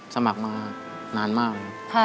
สมัครมานานมาก